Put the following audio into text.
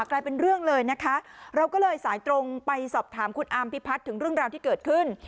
กลายเป็นเรื่องเลยนะคะเราก็เลยสายตรงไปสอบถามคุณอามพิพัฒน์ถึงเรื่องราวที่เกิดขึ้น